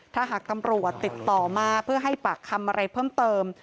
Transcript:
ถ้าหากตำรวจติดต่อมาเพื่อให้ปากคำอะไรเพิ่มเติม